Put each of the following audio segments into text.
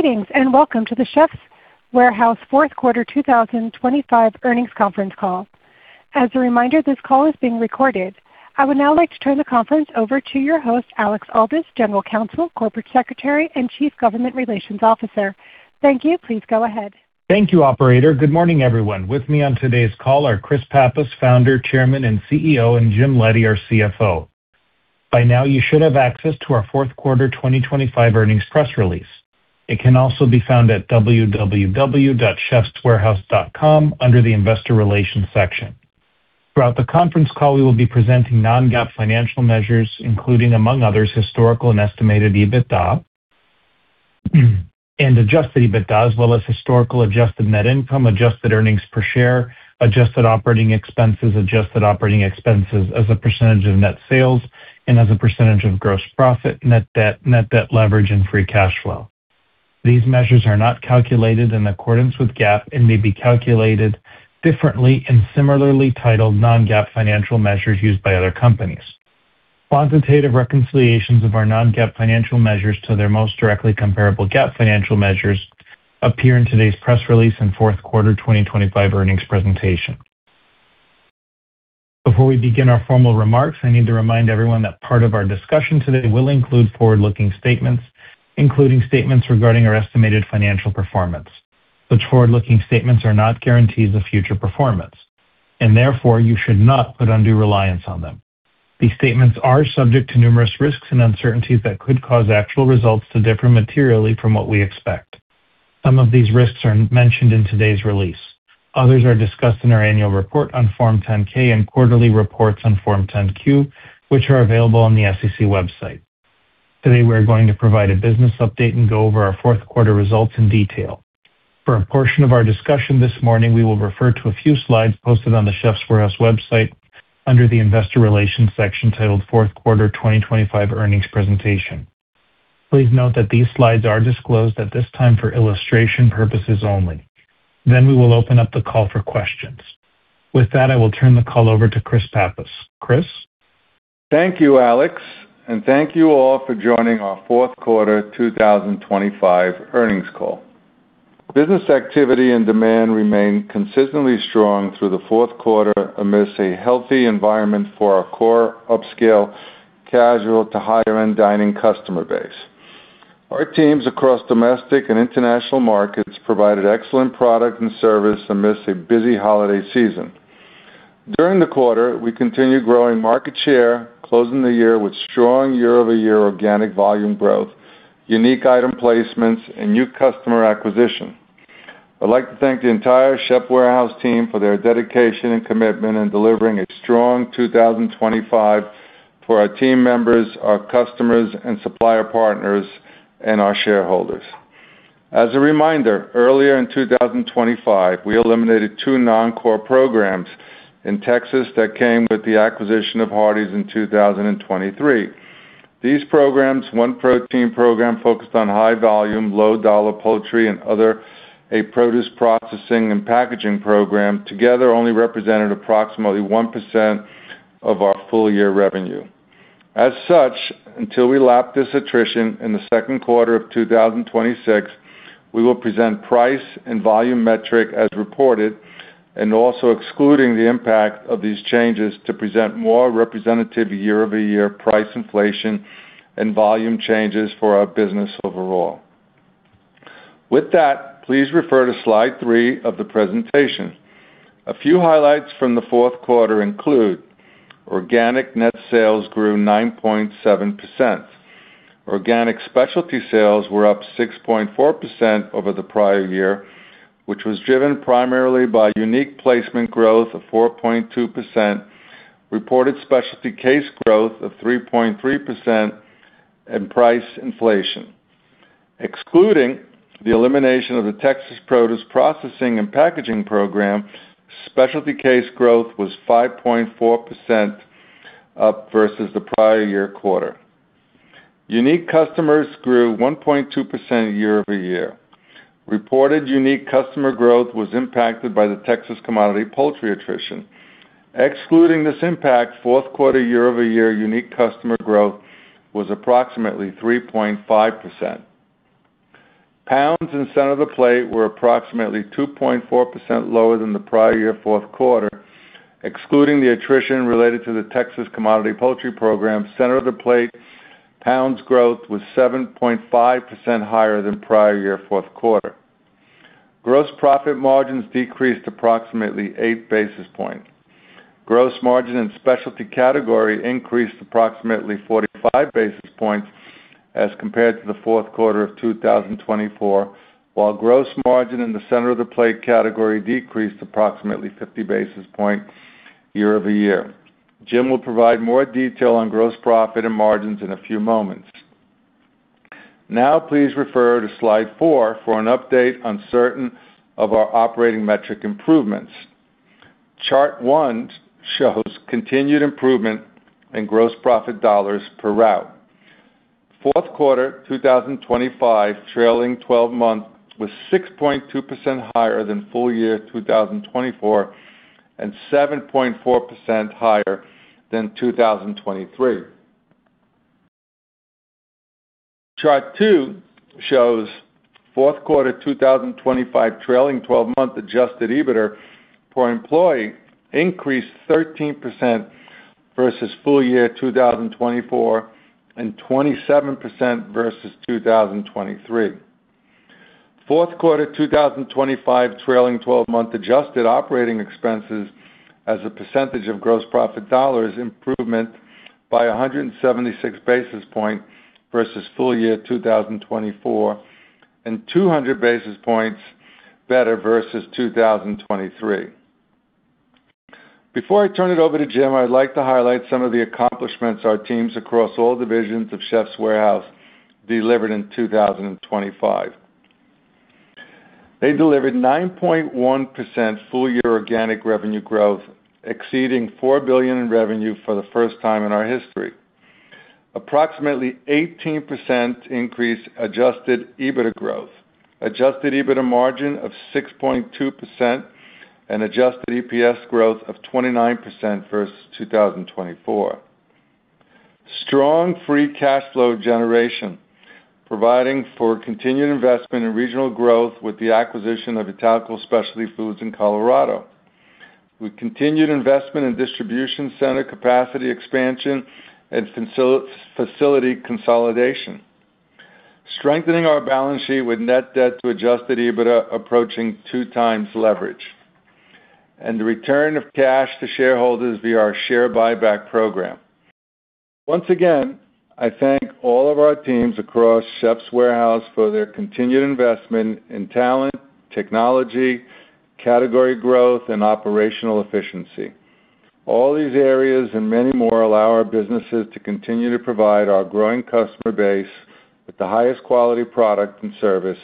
Greetings, and welcome to The Chefs' Warehouse fourth quarter 2025 earnings conference call. As a reminder, this call is being recorded. I would now like to turn the conference over to your host, Alex Aldous, General Counsel, Corporate Secretary, and Chief Government Relations Officer. Thank you. Please go ahead. Thank you, operator. Good morning, everyone. With me on today's call are Chris Pappas, Founder, Chairman, and CEO, and Jim Leddy, our CFO. By now, you should have access to our fourth quarter 2025 earnings press release. It can also be found at www.chefswarehouse.com under the Investor Relations section. Throughout the conference call, we will be presenting non-GAAP financial measures, including, among others, historical and estimated EBITDA, and adjusted EBITDA, as well as historical adjusted net income, adjusted earnings per share, adjusted operating expenses, adjusted operating expenses as a percentage of net sales and as a percentage of gross profit, net debt, net debt leverage, and free cash flow. These measures are not calculated in accordance with GAAP and may be calculated differently in similarly titled non-GAAP financial measures used by other companies. Quantitative reconciliations of our non-GAAP financial measures to their most directly comparable GAAP financial measures appear in today's press release and fourth quarter 2025 earnings presentation. Before we begin our formal remarks, I need to remind everyone that part of our discussion today will include forward-looking statements, including statements regarding our estimated financial performance. Such forward-looking statements are not guarantees of future performance, and therefore you should not put undue reliance on them. These statements are subject to numerous risks and uncertainties that could cause actual results to differ materially from what we expect. Some of these risks are mentioned in today's release. Others are discussed in our annual report on Form 10-K and quarterly reports on Form 10-Q, which are available on the SEC website. Today, we are going to provide a business update and go over our fourth quarter results in detail. For a portion of our discussion this morning, we will refer to a few slides posted on the Chefs' Warehouse website under the Investor Relations section titled, "Fourth Quarter 2025 Earnings Presentation." Please note that these slides are disclosed at this time for illustration purposes only. Then we will open up the call for questions. With that, I will turn the call over to Chris Pappas. Chris? Thank you, Alex, and thank you all for joining our fourth quarter 2025 earnings call. Business activity and demand remained consistently strong through the fourth quarter amidst a healthy environment for our core upscale casual to higher-end dining customer base. Our teams across domestic and international markets provided excellent product and service amidst a busy holiday season. During the quarter, we continued growing market share, closing the year with strong year-over-year organic volume growth, unique item placements, and new customer acquisition. I'd like to thank the entire Chefs' Warehouse team for their dedication and commitment in delivering a strong 2025 for our team members, our customers, and supplier partners, and our shareholders. As a reminder, earlier in 2025, we eliminated two non-core programs in Texas that came with the acquisition of Hardie's in 2023. These programs, one protein program focused on high volume, low dollar poultry and other, a produce processing and packaging program, together only represented approximately 1% of our full year revenue. As such, until we lap this attrition in the second quarter of 2026, we will present price and volume metric as reported and also excluding the impact of these changes to present more representative year-over-year price inflation and volume changes for our business overall. With that, please refer to slide three of the presentation. A few highlights from the fourth quarter include organic net sales grew 9.7%. Organic specialty sales were up 6.4% over the prior year, which was driven primarily by unique placement growth of 4.2%, reported specialty case growth of 3.3%, and price inflation. Excluding the elimination of the Texas Produce Processing and Packaging Program, specialty case growth was 5.4% up versus the prior year quarter. Unique customers grew 1.2% year-over-year. Reported unique customer growth was impacted by the Texas commodity poultry attrition. Excluding this impact, fourth quarter year-over-year unique customer growth was approximately 3.5%. Pounds in Center-of-the-Plate were approximately 2.4% lower than the prior year fourth quarter. Excluding the attrition related to the Texas Commodity Poultry Program, Center-of-the-Plate pounds growth was 7.5% higher than prior year fourth quarter. Gross profit margins decreased approximately 8 basis points. Gross margin in specialty category increased approximately 45 basis points as compared to the fourth quarter of 2024, while gross margin in the Center-of-the-Plate category decreased approximately 50 basis points year-over-year. Jim will provide more detail on gross profit and margins in a few moments. Now, please refer to slide four for an update on certain of our operating metric improvements. Chart one shows continued improvement in gross profit dollars per route. Fourth quarter 2025, trailing twelve months, was 6.2% higher than full year 2024 and 7.4% higher than 2023. Chart two shows fourth quarter 2025 trailing 12-month Adjusted EBITDA per employee increased 13% versus full year 2024, and 27% versus 2023. Fourth quarter 2025 trailing 12-month adjusted operating expenses as a percentage of gross profit dollars, improvement by 176 basis points versus full year 2024, and 200 basis points better versus 2023. Before I turn it over to Jim, I'd like to highlight some of the accomplishments our teams across all divisions of The Chefs' Warehouse delivered in 2025. They delivered 9.1% full year organic revenue growth, exceeding $4 billion in revenue for the first time in our history. Approximately 18% increase adjusted EBITDA growth, adjusted EBITDA margin of 6.2%, and adjusted EPS growth of 29% versus 2024. Strong free cash flow generation, providing for continued investment in regional growth with the acquisition of Italco Food Products in Colorado. We continued investment in distribution center capacity expansion and facility consolidation, strengthening our balance sheet with net debt to Adjusted EBITDA approaching 2x leverage, and the return of cash to shareholders via our share buyback program. Once again, I thank all of our teams across The Chefs' Warehouse for their continued investment in talent, technology, category growth, and operational efficiency. All these areas and many more allow our businesses to continue to provide our growing customer base with the highest quality product and service,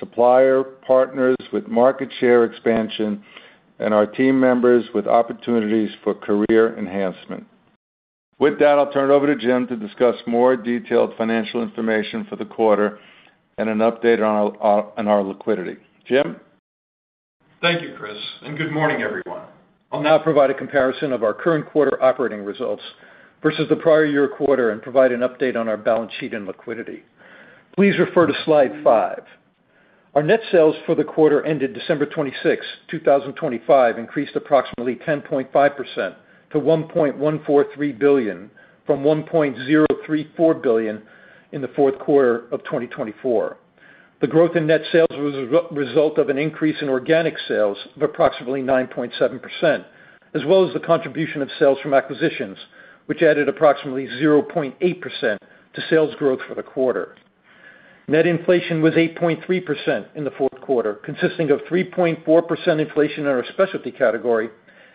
supplier partners with market share expansion, and our team members with opportunities for career enhancement. With that, I'll turn it over to Jim to discuss more detailed financial information for the quarter and an update on our liquidity. Jim? Thank you, Chris, and good morning, everyone. I'll now provide a comparison of our current quarter operating results versus the prior year quarter and provide an update on our balance sheet and liquidity. Please refer to slide five. Our net sales for the quarter ended December 26, 2025, increased approximately 10.5% to $1.143 billion, from $1.034 billion in the fourth quarter of 2024. The growth in net sales was a result of an increase in organic sales of approximately 9.7%, as well as the contribution of sales from acquisitions, which added approximately 0.8% to sales growth for the quarter. Net inflation was 8.3% in the fourth quarter, consisting of 3.4% inflation in our specialty category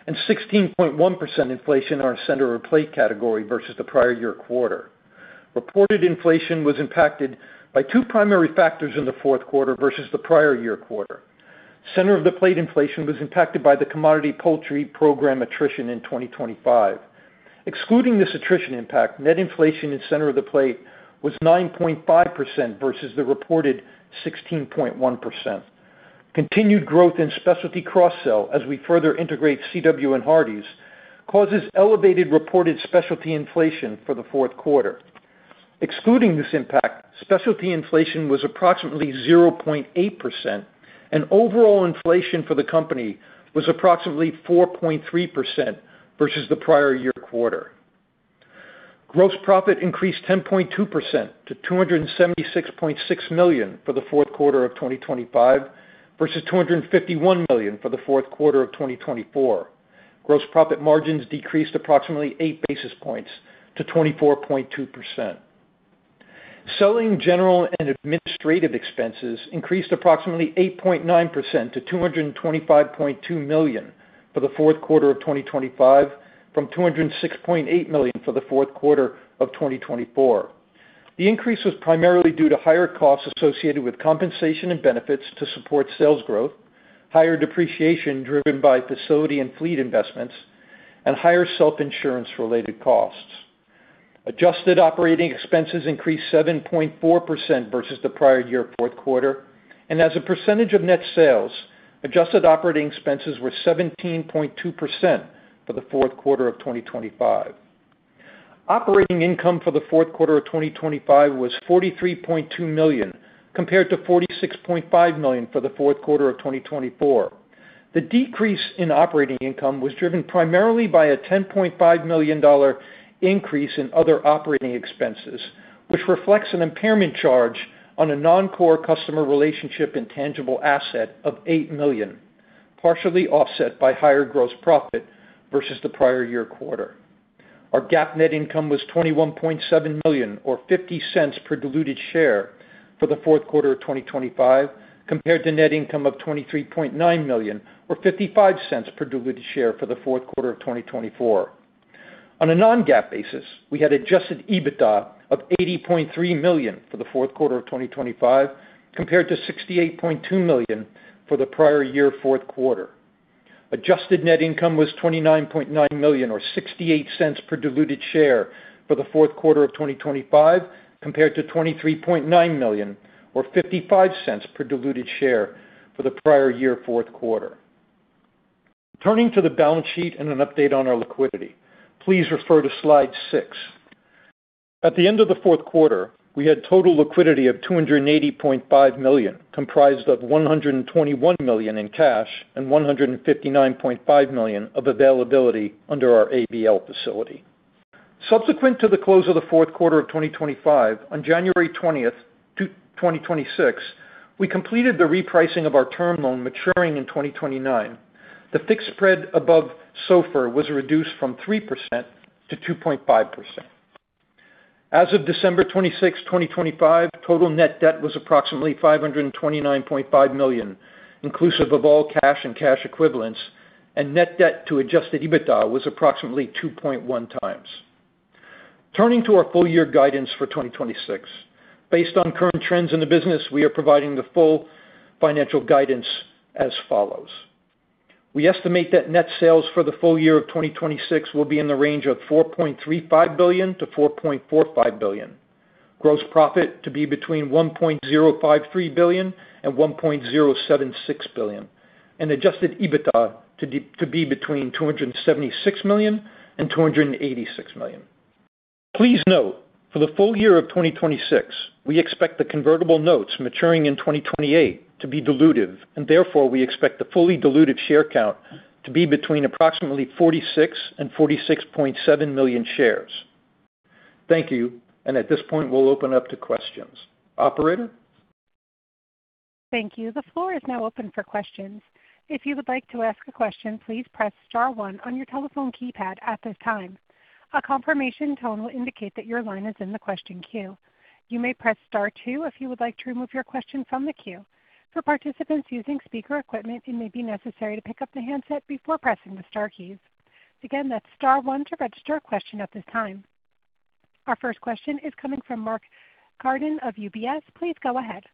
and 16.1% inflation in our center-of-plate category versus the prior year quarter. Reported inflation was impacted by two primary factors in the fourth quarter versus the prior year quarter. Center-of-the-plate inflation was impacted by the Commodity Poultry Program attrition in 2025. Excluding this attrition impact, net inflation in center-of-the-plate was 9.5% versus the reported 16.1%. Continued growth in specialty cross-sell, as we further integrate CW and Hardie's, causes elevated reported specialty inflation for the fourth quarter. Excluding this impact, specialty inflation was approximately 0.8%, and overall inflation for the company was approximately 4.3% versus the prior year quarter. Gross profit increased 10.2% to $276.6 million for the fourth quarter of 2025, versus $251 million for the fourth quarter of 2024. Gross profit margins decreased approximately 8 basis points to 24.2%. Selling general and administrative expenses increased approximately 8.9% to $225.2 million for the fourth quarter of 2025, from $206.8 million for the fourth quarter of 2024. The increase was primarily due to higher costs associated with compensation and benefits to support sales growth, higher depreciation driven by facility and fleet investments, and higher self-insurance related costs. Adjusted operating expenses increased 7.4% versus the prior year fourth quarter, and as a percentage of net sales, adjusted operating expenses were 17.2% for the fourth quarter of 2025. Operating income for the fourth quarter of 2025 was $43.2 million, compared to $46.5 million for the fourth quarter of 2024. The decrease in operating income was driven primarily by a $10.5 million increase in other operating expenses, which reflects an impairment charge on a non-core customer relationship and tangible asset of $8 million, partially offset by higher gross profit versus the prior year quarter. Our GAAP net income was $21.7 million, or $0.50 per diluted share for the fourth quarter of 2025, compared to net income of $23.9 million, or $0.55 per diluted share for the fourth quarter of 2024. On a non-GAAP basis, we had adjusted EBITDA of $80.3 million for the fourth quarter of 2025, compared to $68.2 million for the prior year fourth quarter. Adjusted net income was $29.9 million or $0.68 per diluted share for the fourth quarter of 2025, compared to $23.9 million or $0.55 per diluted share for the prior year fourth quarter.... Turning to the balance sheet and an update on our liquidity, please refer to slide six. At the end of the fourth quarter, we had total liquidity of $280.5 million, comprised of $121 million in cash and $159.5 million of availability under our ABL facility. Subsequent to the close of the fourth quarter of 2025, on January 20th, 2026, we completed the repricing of our term loan maturing in 2029. The fixed spread above SOFR was reduced from 3% to 2.5%. As of December 26th, 2025, total net debt was approximately $529.5 million, inclusive of all cash and cash equivalents, and net debt to adjusted EBITDA was approximately 2.1x. Turning to our full year guidance for 2026. Based on current trends in the business, we are providing the full financial guidance as follows: We estimate that net sales for the full year of 2026 will be in the range of $4.35 billion-$4.45 billion. Gross profit to be between $1.053 billion-$1.076 billion, and Adjusted EBITDA to be between $276 million-$286 million. Please note, for the full year of 2026, we expect the convertible notes maturing in 2028 to be dilutive, and therefore we expect the fully diluted share count to be between approximately 46 million and 46.7 million shares. Thank you. And at this point, we'll open up to questions. Operator? Thank you. The floor is now open for questions. If you would like to ask a question, please press star one on your telephone keypad at this time. A confirmation tone will indicate that your line is in the question queue. You may press star two if you would like to remove your question from the queue. For participants using speaker equipment, it may be necessary to pick up the handset before pressing the star keys. Again, that's star one to register a question at this time. Our first question is coming from Mark Carden of UBS. Please go ahead.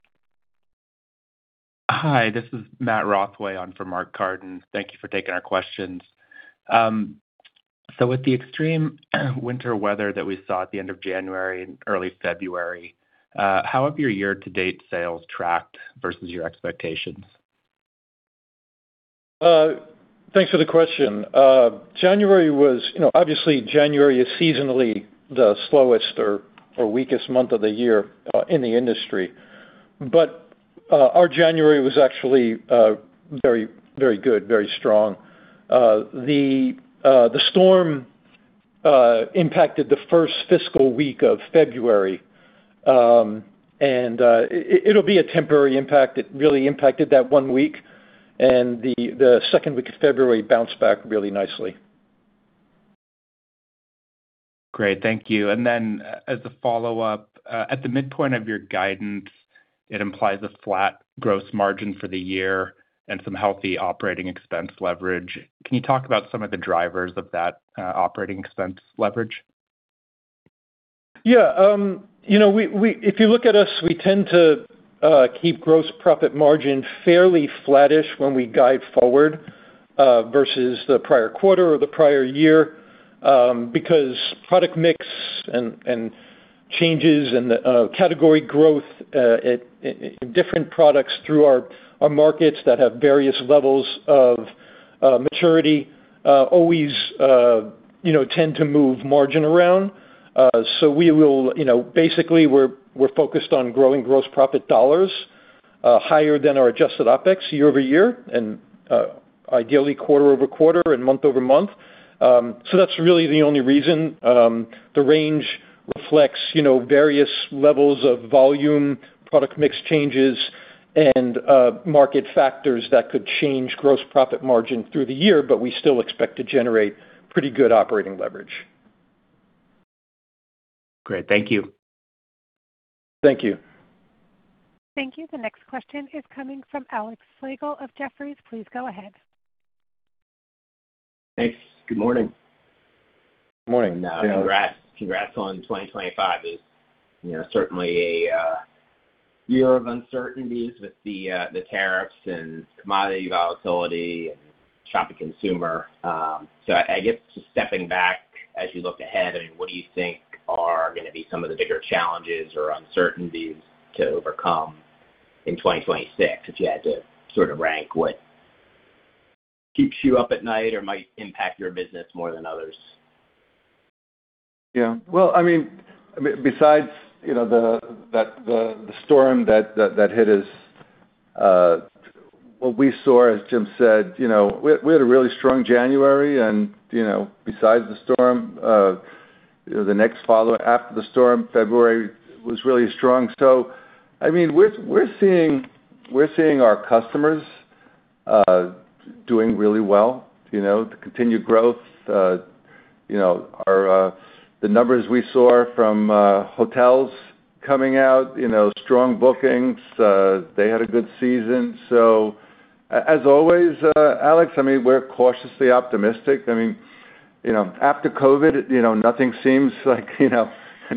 Hi, this is Matt Rothway on for Mark Carden. Thank you for taking our questions. So with the extreme winter weather that we saw at the end of January and early February, how have your year-to-date sales tracked versus your expectations? Thanks for the question. January was, you know, obviously January is seasonally the slowest or weakest month of the year in the industry. But our January was actually very, very good, very strong. The storm impacted the first fiscal week of February. It'll be a temporary impact. It really impacted that one week, and the second week of February bounced back really nicely. Great. Thank you. And then as a follow-up, at the midpoint of your guidance, it implies a flat gross margin for the year and some healthy operating expense leverage. Can you talk about some of the drivers of that, operating expense leverage? Yeah. You know, we--if you look at us, we tend to keep gross profit margin fairly flattish when we guide forward versus the prior quarter or the prior year because product mix and changes and the category growth at in different products through our markets that have various levels of maturity always you know tend to move margin around. So we will, you know, basically, we're focused on growing gross profit dollars higher than our adjusted OpEx year-over-year and ideally quarter-over-quarter and month-over-month. So that's really the only reason the range reflects you know various levels of volume, product mix changes and market factors that could change gross profit margin through the year, but we still expect to generate pretty good operating leverage. Great. Thank you. Thank you. Thank you. The next question is coming from Alex Slagle of Jefferies. Please go ahead. Thanks. Good morning. Morning, uh, Congrats. Congrats on 2025. It's, you know, certainly a year of uncertainties with the tariffs and commodity volatility and shopping consumer. So I guess, just stepping back as you look ahead, I mean, what do you think are gonna be some of the bigger challenges or uncertainties to overcome in 2026, if you had to sort of rank what keeps you up at night or might impact your business more than others? Yeah. Well, I mean, besides, you know, the storm that hit us, what we saw, as Jim said, you know, we had a really strong January and, you know, besides the storm, you know, the next follow-up after the storm, February was really strong. So, I mean, we're seeing our customers doing really well, you know, the continued growth, you know, the numbers we saw from hotels coming out, you know, strong bookings, they had a good season. So as always, Alex, I mean, we're cautiously optimistic. I mean, you know, after COVID, you know, nothing seems like an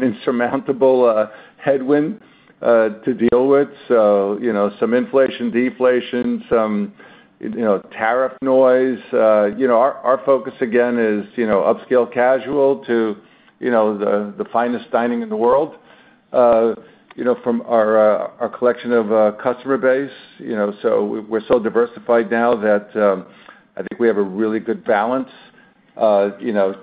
insurmountable headwind to deal with. So, you know, some inflation, deflation, some, you know, tariff noise. You know, our focus again is, you know, upscale casual to, you know, the finest dining in the world, you know, from our collection of customer base, you know, so we're so diversified now that I think we have a really good balance. You know,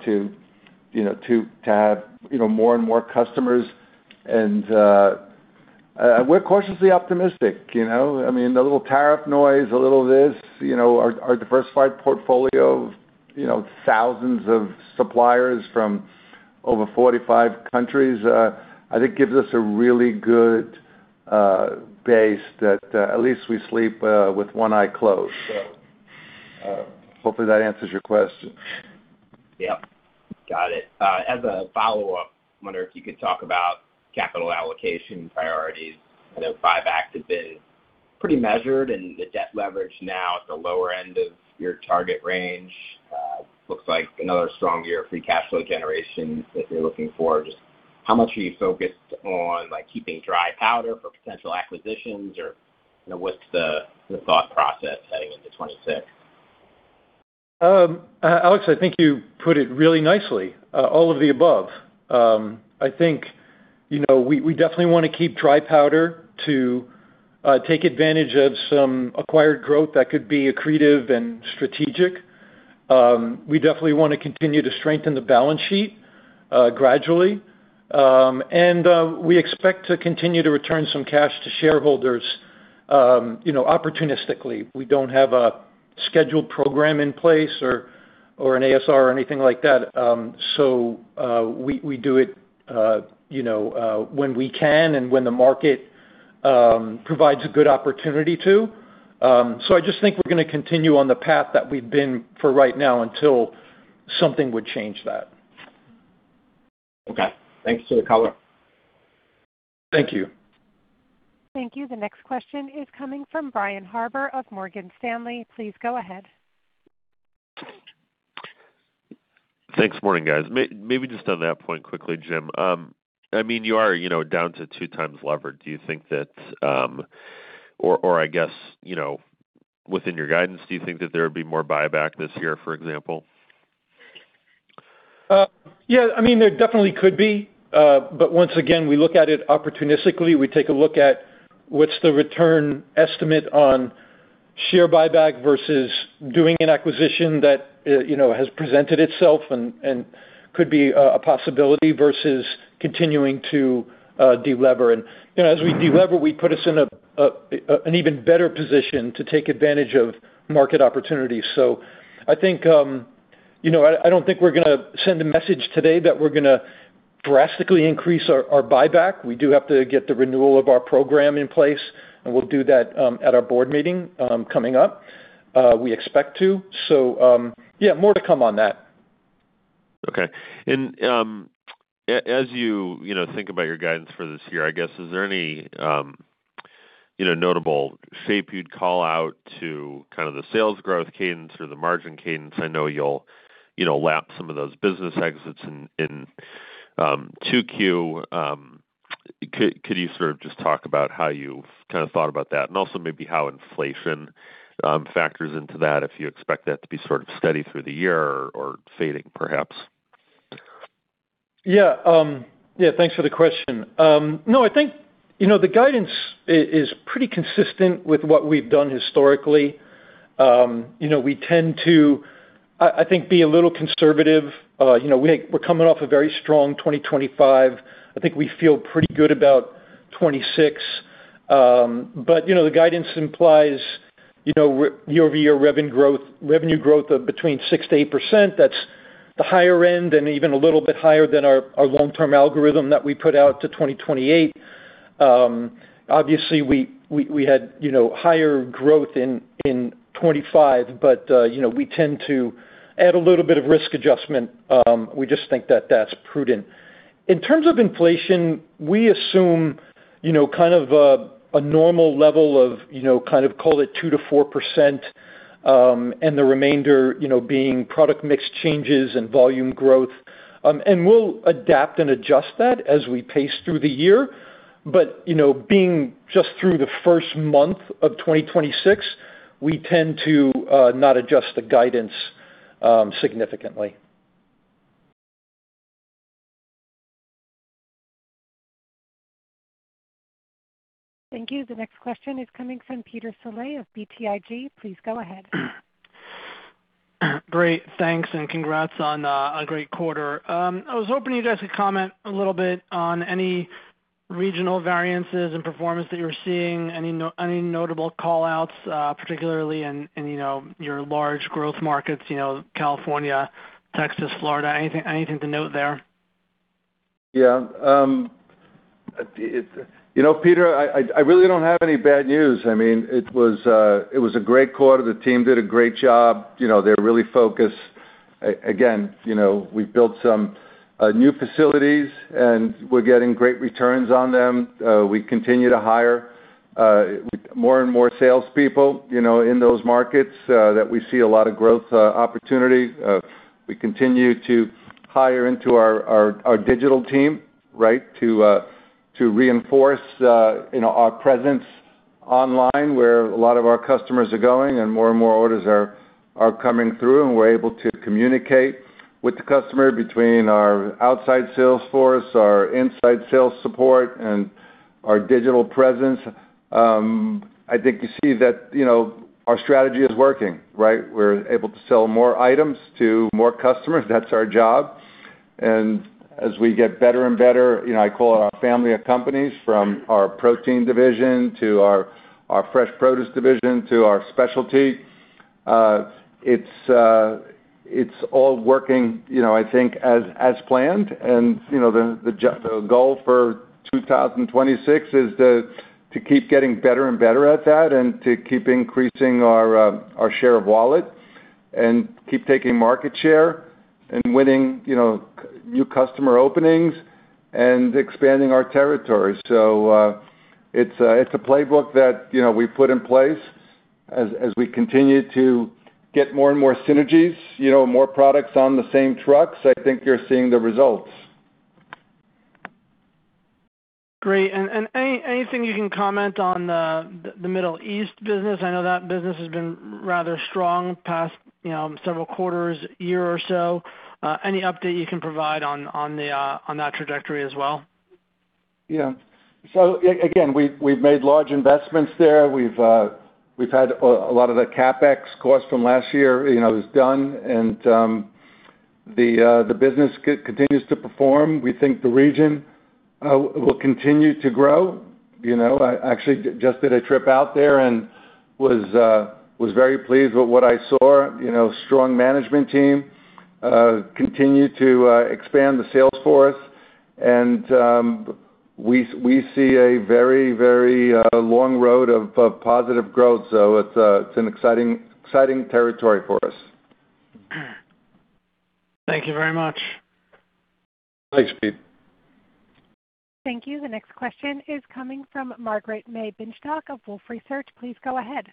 to have, you know, more and more customers. And we're cautiously optimistic, you know? I mean, the little tariff noise, a little this, you know, our diversified portfolio of, you know, thousands of suppliers from over 45 countries, I think gives us a really good base that at least we sleep with one eye closed. So, hopefully, that answers your question. Yep, got it. As a follow-up, I wonder if you could talk about capital allocation priorities. I know buybacks have been pretty measured, and the debt leverage now at the lower end of your target range, looks like another strong year of Free Cash Flow generation that you're looking for. Just how much are you focused on, like, keeping dry powder for potential acquisitions, or, you know, what's the thought process heading into 2026? Alex, I think you put it really nicely, all of the above. I think, you know, we, we definitely want to keep dry powder to, take advantage of some acquired growth that could be accretive and strategic. We definitely want to continue to strengthen the balance sheet, gradually. And, we expect to continue to return some cash to shareholders, you know, opportunistically. We don't have a scheduled program in place or, or an ASR or anything like that, so, we, we do it, you know, when we can and when the market, provides a good opportunity to. So I just think we're gonna continue on the path that we've been for right now until something would change that. Okay. Thanks for the color. Thank you. Thank you. The next question is coming from Brian Harbour of Morgan Stanley. Please go ahead. Thanks. Morning, guys. Maybe just on that point quickly, Jim. I mean, you are, you know, down to 2x lever. Do you think that, or I guess, you know, within your guidance, do you think that there would be more buyback this year, for example? Yeah. I mean, there definitely could be, but once again, we look at it opportunistically. We take a look at what's the return estimate on share buyback versus doing an acquisition that, you know, has presented itself and, and could be, a possibility versus continuing to, delever. And, you know, as we delever, we put us in an even better position to take advantage of market opportunities. So I think, you know, I don't think we're gonna send a message today that we're gonna drastically increase our buyback. We do have to get the renewal of our program in place, and we'll do that, at our board meeting, coming up. We expect to. So, yeah, more to come on that. Okay. And as you, you know, think about your guidance for this year, I guess, is there any, you know, notable shape you'd call out to kind of the sales growth cadence or the margin cadence? I know you'll, you know, lap some of those business exits in 2Q. Could you sort of just talk about how you've kind of thought about that, and also maybe how inflation factors into that, if you expect that to be sort of steady through the year or fading, perhaps? Yeah. Yeah, thanks for the question. No, I think, you know, the guidance is pretty consistent with what we've done historically. You know, we tend to, I think, be a little conservative. You know, we're coming off a very strong 2025. I think we feel pretty good about 2026. But, you know, the guidance implies, you know, year-over-year revenue growth, revenue growth of between 6%-8%. That's the higher end and even a little bit higher than our long-term algorithm that we put out to 2028. Obviously, we had, you know, higher growth in 2025, but, you know, we tend to add a little bit of risk adjustment. We just think that that's prudent. In terms of inflation, we assume, you know, kind of, a normal level of, you know, kind of call it 2%-4%, and the remainder, you know, being product mix changes and volume growth. And we'll adapt and adjust that as we pace through the year. But, you know, being just through the first month of 2026, we tend to, not adjust the guidance, significantly. Thank you. The next question is coming from Peter Saleh of BTIG. Please go ahead. Great. Thanks, and congrats on a great quarter. I was hoping you guys could comment a little bit on any regional variances and performance that you're seeing. Any notable call-outs, particularly in, in, you know, your large growth markets, you know, California, Texas, Florida? Anything, anything to note there? Yeah, You know, Peter, I really don't have any bad news. I mean, it was a great quarter. The team did a great job. You know, they're really focused. Again, you know, we've built some new facilities, and we're getting great returns on them. We continue to hire more and more salespeople, you know, in those markets that we see a lot of growth opportunity. We continue to hire into our digital team, right, to reinforce, you know, our presence online, where a lot of our customers are going, and more and more orders are coming through, and we're able to communicate with the customer between our outside sales force, our inside sales support, and-... our digital presence, I think you see that, you know, our strategy is working, right? We're able to sell more items to more customers. That's our job. And as we get better and better, you know, I call it our family of companies, from our protein division to our, our fresh produce division to our specialty, it's, it's all working, you know, I think, as, as planned. And, you know, the goal for 2026 is to, to keep getting better and better at that, and to keep increasing our, our share of wallet, and keep taking market share and winning, you know, new customer openings and expanding our territory. So, it's a playbook that, you know, we put in place as we continue to get more and more synergies, you know, more products on the same trucks. I think you're seeing the results. Great. And anything you can comment on the Middle East business? I know that business has been rather strong the past, you know, several quarters, year or so. Any update you can provide on that trajectory as well? Yeah. So again, we've made large investments there. We've had a lot of the CapEx costs from last year, you know, is done, and the business continues to perform. We think the region will continue to grow. You know, I actually just did a trip out there and was very pleased with what I saw. You know, strong management team, continue to expand the sales force, and we see a very, very long road of positive growth. So it's an exciting, exciting territory for us. Thank you very much. Thanks, Pete. Thank you. The next question is coming from Margaret May Binshtok of Wolfe Research. Please go ahead.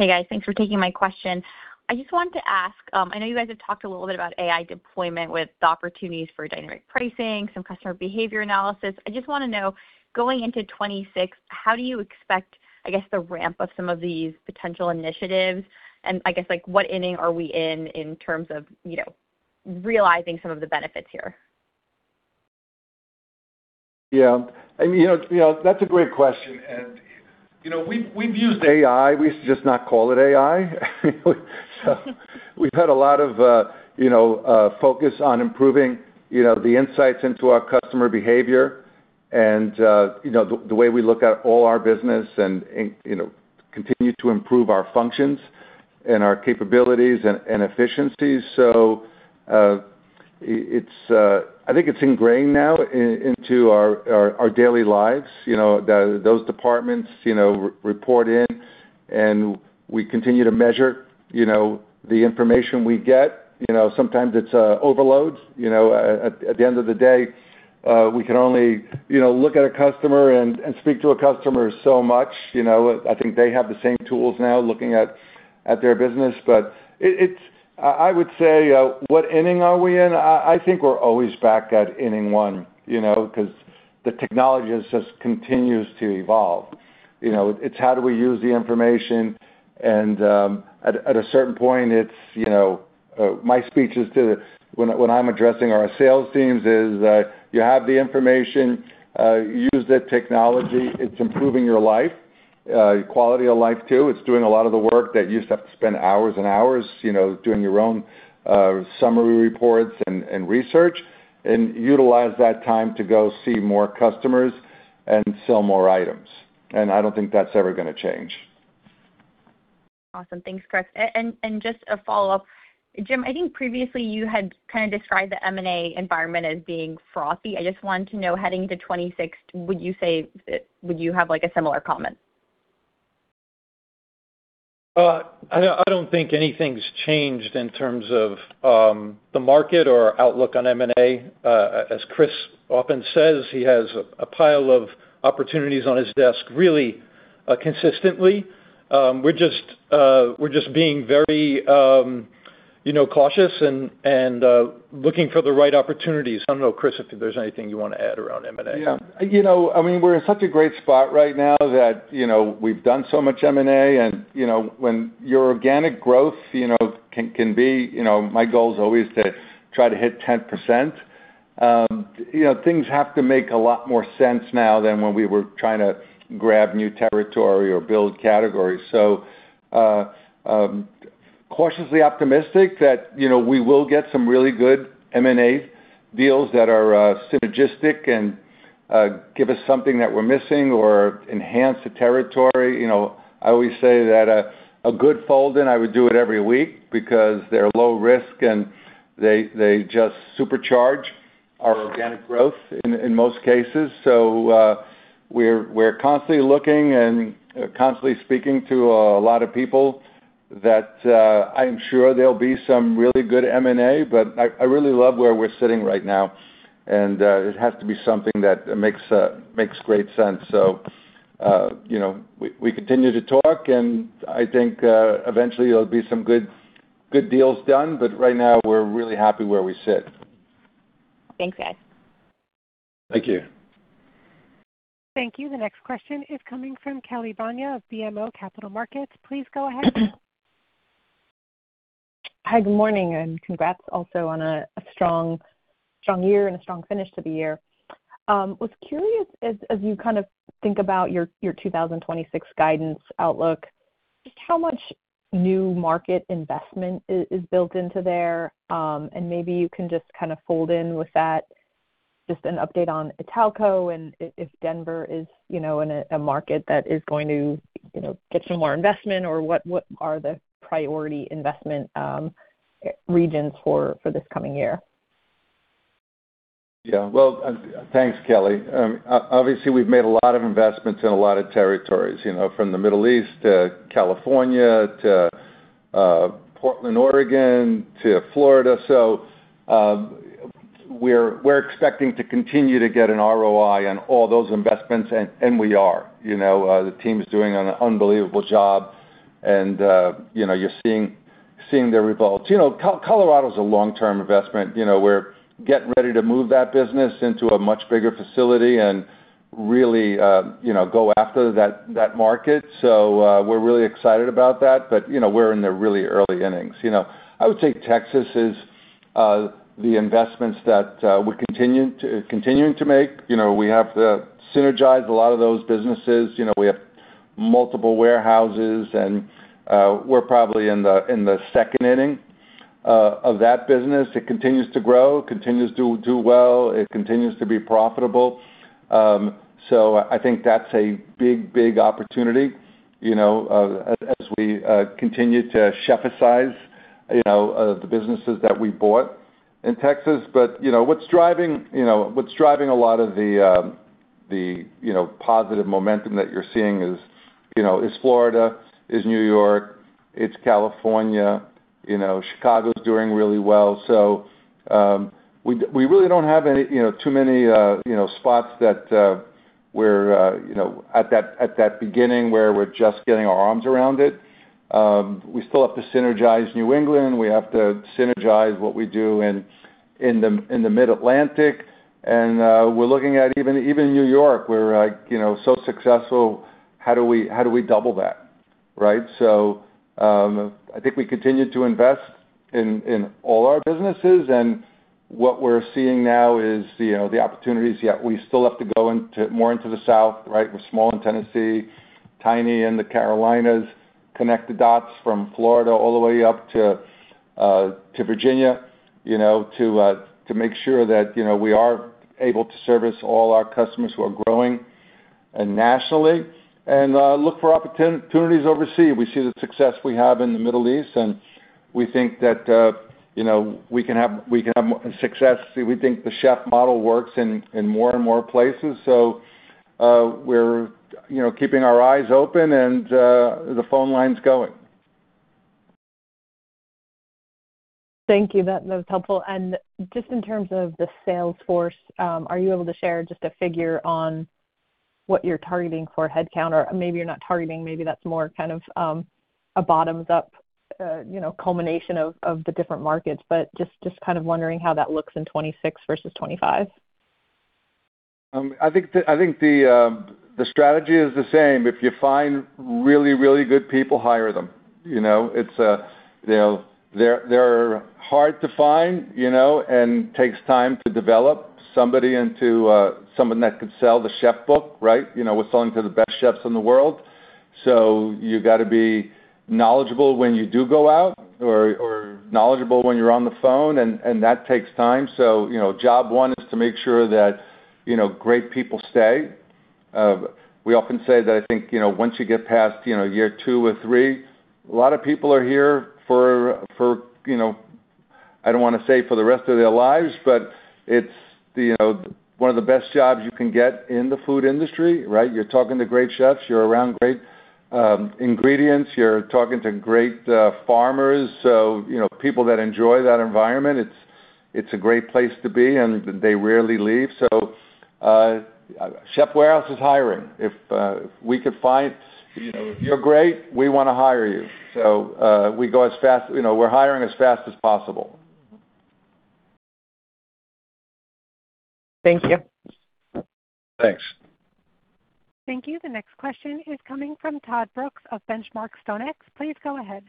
Hey, guys. Thanks for taking my question. I just wanted to ask, I know you guys have talked a little bit about AI deployment with the opportunities for dynamic pricing, some customer behavior analysis. I just want to know, going into 2026, how do you expect, I guess, the ramp of some of these potential initiatives? And I guess, like, what inning are we in, in terms of, you know, realizing some of the benefits here? Yeah. And, you know, that's a great question. And, you know, we've used AI. We used to just not call it AI. So we've had a lot of, you know, focus on improving, you know, the insights into our customer behavior and, you know, the way we look at all our business and, and, you know, continue to improve our functions and our capabilities and efficiencies. So, it's, I think it's ingrained now into our daily lives, you know. Those departments, you know, report in, and we continue to measure, you know, the information we get. You know, sometimes it's overloads. You know, at the end of the day, we can only, you know, look at a customer and speak to a customer so much. You know, I think they have the same tools now, looking at their business. But it's—I would say, what inning are we in? I think we're always back at inning one, you know, because the technology just continues to evolve. You know, it's how do we use the information? And at a certain point, it's, you know, my speeches to the—when I'm addressing our sales teams is, you have the information, use the technology. It's improving your life, your quality of life, too. It's doing a lot of the work that you used to have to spend hours and hours, you know, doing your own summary reports and research, and utilize that time to go see more customers and sell more items. And I don't think that's ever gonna change. Awesome. Thanks, Chris. And, just a follow-up. Jim, I think previously you had kind of described the M&A environment as being frothy. I just wanted to know, heading to 2026, would you say it—would you have, like, a similar comment? I don't think anything's changed in terms of the market or outlook on M&A. As Chris often says, he has a pile of opportunities on his desk, really, consistently. We're just, we're just being very, you know, cautious and looking for the right opportunities. I don't know, Chris, if there's anything you want to add around M&A? Yeah. You know, I mean, we're in such a great spot right now that, you know, we've done so much M&A, and, you know, when your organic growth, you know, can be, you know, my goal is always to try to hit 10%. You know, things have to make a lot more sense now than when we were trying to grab new territory or build categories. So, cautiously optimistic that, you know, we will get some really good M&A deals that are synergistic and give us something that we're missing or enhance the territory. You know, I always say that a good fold-in, I would do it every week because they're low risk, and they just supercharge our organic growth in most cases. So, we're constantly looking and constantly speaking to a lot of people that, I'm sure there'll be some really good M&A, but I really love where we're sitting right now, and it has to be something that makes great sense. So, you know, we continue to talk, and I think, eventually, there'll be some good, good deals done. But right now, we're really happy where we sit. Thanks, guys. Thank you. Thank you. The next question is coming from Kelly Bania of BMO Capital Markets. Please go ahead. ... Hi, good morning, and congrats also on a strong, strong year and a strong finish to the year. Was curious, as you kind of think about your 2026 guidance outlook, just how much new market investment is built into there? And maybe you can just kind of fold in with that, just an update on Italco, and if Denver is, you know, in a market that is going to, you know, get some more investment, or what are the priority investment regions for this coming year? Yeah. Well, thanks, Kelly. Obviously, we've made a lot of investments in a lot of territories, you know, from the Middle East to California to Portland, Oregon, to Florida. So, we're expecting to continue to get an ROI on all those investments, and we are. You know, the team's doing an unbelievable job, and you know, you're seeing the results. You know, Colorado is a long-term investment. You know, we're getting ready to move that business into a much bigger facility and really, you know, go after that market. So, we're really excited about that, but you know, we're in the really early innings. You know, I would say Texas is the investments that we're continuing to make. You know, we have to synergize a lot of those businesses. You know, we have multiple warehouses, and we're probably in the, in the second inning of that business. It continues to grow, continues to do well, it continues to be profitable. So I think that's a big, big opportunity, you know, as, as we continue to Chef-ize, you know, the businesses that we bought in Texas. But, you know, what's driving, you know, what's driving a lot of the, the, you know, positive momentum that you're seeing is, you know, is Florida, is New York, it's California. You know, Chicago's doing really well. So, we, we really don't have any, you know, too many, you know, spots that, we're, you know, at that, at that beginning, where we're just getting our arms around it. We still have to synergize New England. We have to synergize what we do in the Mid-Atlantic. We're looking at even New York, where, you know, so successful, how do we double that, right? I think we continue to invest in all our businesses, and what we're seeing now is, you know, the opportunities. Yet we still have to go more into the South, right? We're small in Tennessee, tiny in The Carolinas, connect the dots from Florida all the way up to Virginia, you know, to make sure that, you know, we are able to service all our customers who are growing nationally, and look for opportunities overseas. We see the success we have in the Middle East, and we think that, you know, we can have success. We think the chef model works in more and more places. So, we're, you know, keeping our eyes open, and the phone line's going. Thank you. That was helpful. Just in terms of the sales force, are you able to share just a figure on what you're targeting for headcount? Or maybe you're not targeting. Maybe that's more kind of a bottoms-up, you know, culmination of the different markets. But just kind of wondering how that looks in 2026 versus 2025. I think the strategy is the same. If you find really, really good people, hire them. You know, it's, you know, they're hard to find, you know, and takes time to develop somebody into someone that could sell the chef book, right? You know, we're selling to the best chefs in the world, so you've got to be knowledgeable when you do go out or knowledgeable when you're on the phone, and that takes time. So, you know, job one is to make sure that, you know, great people stay. We often say that I think, you know, once you get past, you know, year two or three, a lot of people are here for, you know, I don't want to say for the rest of their lives, but it's the, you know, one of the best jobs you can get in the food industry, right? You're talking to great chefs. You're around great ingredients. You're talking to great farmers. So, you know, people that enjoy that environment, it's a great place to be, and they rarely leave. So, The Chefs' Warehouse is hiring. If we could find, you know, if you're great, we wanna hire you. So, we go as fast—you know, we're hiring as fast as possible. Thank you. Thanks. Thank you. The next question is coming from Todd Brooks of Benchmark. Please go ahead.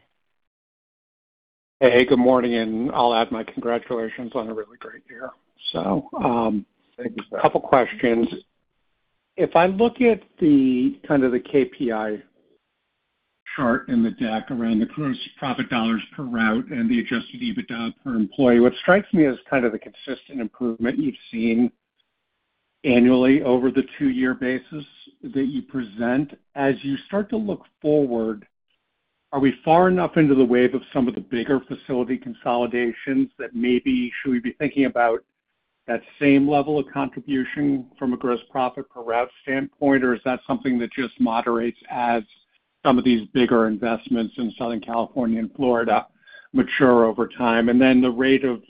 Hey, good morning, and I'll add my congratulations on a really great year. So- Thank you. A couple questions. If I look at the kind of the KPI chart in the deck around the gross profit dollars per route and the adjusted EBITDA per employee, what strikes me is kind of the consistent improvement you've seen annually over the two-year basis that you present. As you start to look forward, are we far enough into the wave of some of the bigger facility consolidations that maybe should we be thinking about that same level of contribution from a gross profit per route standpoint? Or is that something that just moderates as some of these bigger investments in Southern California and Florida mature over time? And then the rate of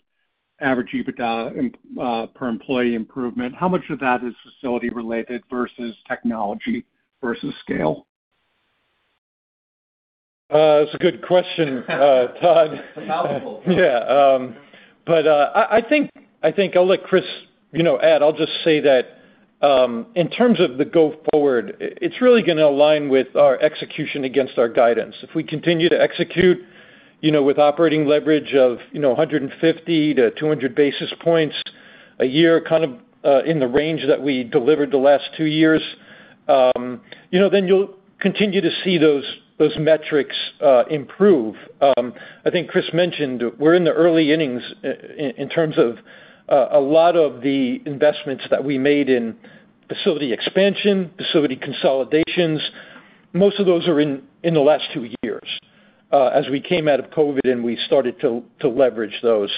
average EBITDA per employee improvement, how much of that is facility related versus technology versus scale? That's a good question, Todd. A powerful one. Yeah, um-... But, I think, I think I'll let Chris, you know, add. I'll just say that, in terms of the go forward, it's really gonna align with our execution against our guidance. If we continue to execute, you know, with operating leverage of, you know, 150 basis points-200 basis points a year, kind of, in the range that we delivered the last two years, you know, then you'll continue to see those, those metrics, improve. I think Chris mentioned, we're in the early innings in terms of, a lot of the investments that we made in facility expansion, facility consolidations. Most of those are in, in the last two years, as we came out of COVID, and we started to, to leverage those.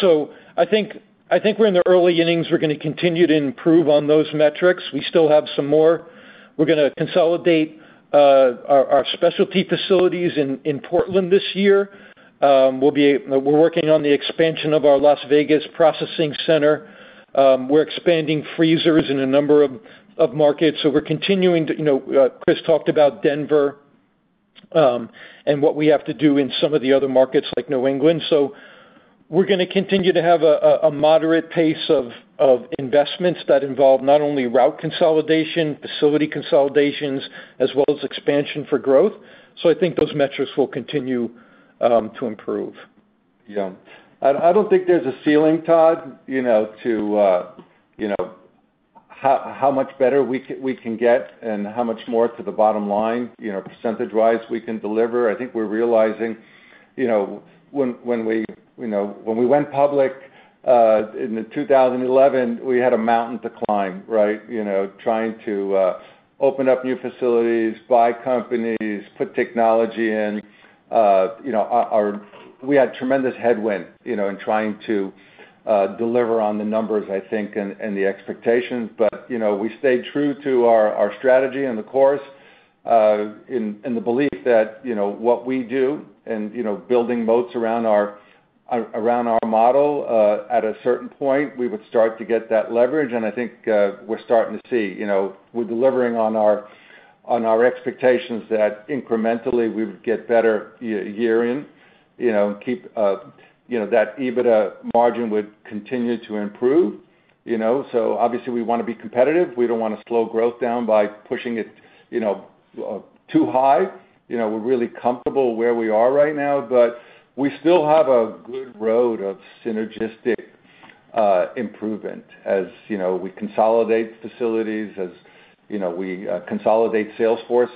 So I think, I think we're in the early innings. We're gonna continue to improve on those metrics. We still have some more. We're gonna consolidate our specialty facilities in Portland this year. We're working on the expansion of our Las Vegas processing center. We're expanding freezers in a number of markets, so we're continuing to, you know, Chris talked about Denver, and what we have to do in some of the other markets like New England. So we're gonna continue to have a moderate pace of investments that involve not only route consolidation, facility consolidations, as well as expansion for growth. So I think those metrics will continue to improve. Yeah. I don't think there's a ceiling, Todd, you know, to how much better we can get, and how much more to the bottom line, you know, percentage-wise, we can deliver. I think we're realizing, you know, when we went public in 2011, we had a mountain to climb, right? You know, trying to open up new facilities, buy companies, put technology in our. We had tremendous headwind, you know, in trying to deliver on the numbers, I think, and the expectations. But, you know, we stayed true to our strategy and the course, in the belief that, you know, what we do and building moats around our model, at a certain point, we would start to get that leverage. I think, we're starting to see, you know, we're delivering on our, on our expectations that incrementally we would get better year in, you know, and keep, you know, that EBITDA margin would continue to improve, you know? So obviously, we wanna be competitive. We don't wanna slow growth down by pushing it, you know, too high. You know, we're really comfortable where we are right now, but we still have a good road of synergistic improvement. As you know, we consolidate facilities, as you know, we consolidate sales force,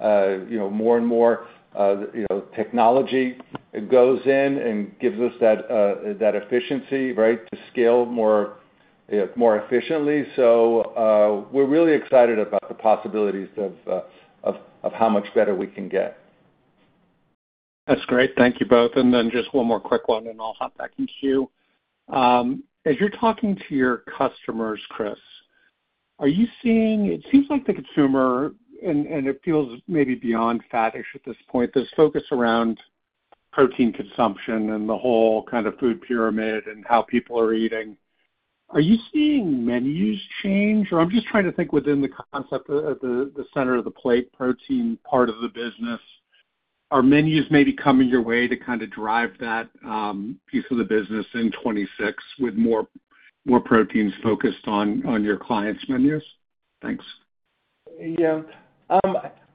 you know, more and more, you know, technology goes in and gives us that efficiency, right, to scale more efficiently. So, we're really excited about the possibilities of how much better we can get. That's great. Thank you, both. And then just one more quick one, and I'll hop back in queue. As you're talking to your customers, Chris, are you seeing, it seems like the consumer, and, and it feels maybe beyond faddish at this point, this focus around protein consumption and the whole kind of food pyramid and how people are eating. Are you seeing menus change? Or I'm just trying to think within the concept of the, the center-of-the-plate, protein part of the business. Are menus maybe coming your way to kind of drive that piece of the business in 2026, with more, more proteins focused on, on your clients' menus? Thanks. Yeah.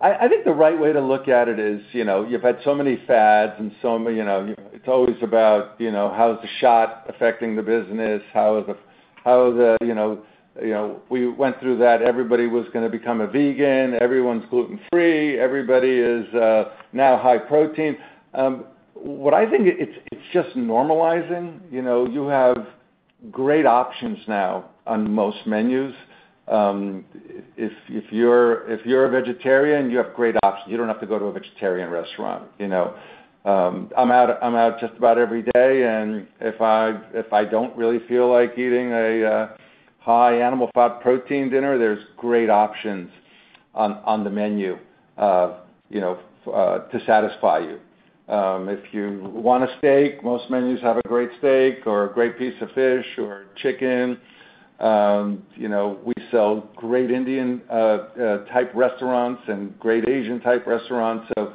I think the right way to look at it is, you know, you've had so many fads and so many, you know, it's always about, you know, how's the shot affecting the business? You know, we went through that, everybody was gonna become a vegan, everyone's gluten free, everybody is now high protein. What I think it's, it's just normalizing. You know, you have great options now on most menus. If you're a vegetarian, you have great options. You don't have to go to a vegetarian restaurant, you know? I'm out just about every day, and if I don't really feel like eating a high animal fat protein dinner, there's great options on the menu, you know, to satisfy you. If you want a steak, most menus have a great steak or a great piece of fish or chicken. You know, we sell great Indian type restaurants and great Asian type restaurants. So,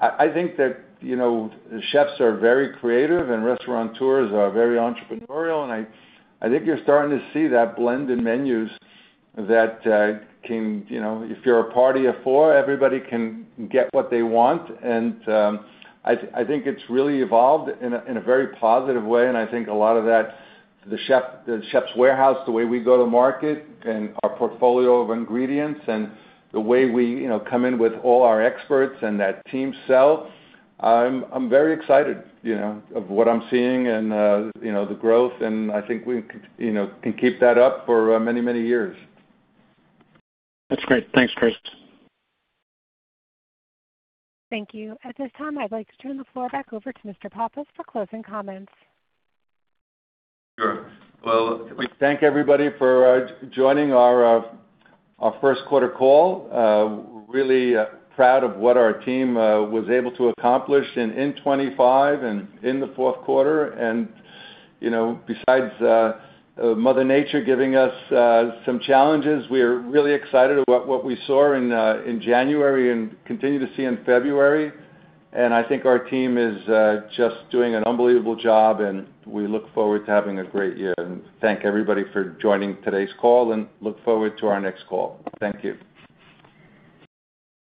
I think that, you know, chefs are very creative, and restaurateurs are very entrepreneurial, and I think you're starting to see that blend in menus that can, you know, if you're a party of four, everybody can get what they want. And, I think it's really evolved in a very positive way, and I think a lot of that, the Chefs' Warehouse, the way we go to market and our portfolio of ingredients and the way we, you know, come in with all our experts and that team sell, I'm very excited, you know, of what I'm seeing and, you know, the growth, and I think we, you know, can keep that up for many, many years. That's great. Thanks, Chris. Thank you. At this time, I'd like to turn the floor back over to Mr. Pappas for closing comments. Sure. Well, we thank everybody for joining our first quarter call. Really proud of what our team was able to accomplish in 2025 and in the fourth quarter. You know, besides Mother Nature giving us some challenges, we are really excited about what we saw in January and continue to see in February. I think our team is just doing an unbelievable job, and we look forward to having a great year. Thank everybody for joining today's call and look forward to our next call. Thank you.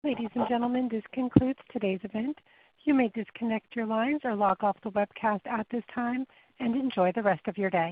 Ladies and gentlemen, this concludes today's event. You may disconnect your lines or log off the webcast at this time, and enjoy the rest of your day.